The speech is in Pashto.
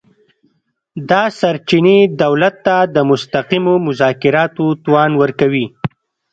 دا سرچینې دولت ته د مستقیمو مذاکراتو توان ورکوي